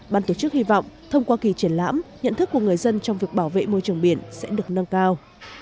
ban tổ chức hy vọng thông qua kỳ triển lãm nhận thức của người dân trong việc bảo vệ môi trường biển sẽ được nâng cao